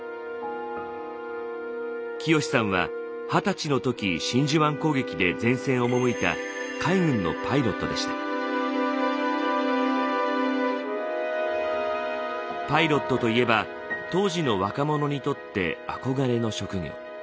清守さんは二十歳の時真珠湾攻撃で前線へ赴いたパイロットといえば当時の若者にとって憧れの職業。